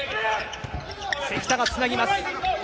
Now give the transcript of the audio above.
関田がつなぎます。